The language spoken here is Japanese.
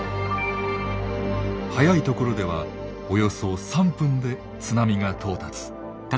速い所ではおよそ３分で津波が到達。